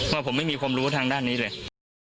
ว่าผมไม่มีความรู้ทางด้านนี้เลย